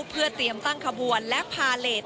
เพื่อเตรียมตั้งขบวนและพาเลส